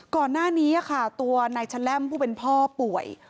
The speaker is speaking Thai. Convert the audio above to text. ก่อนหน้านี้ค่ะตัวนายแชล่มผู้เป็นพ่อป่วย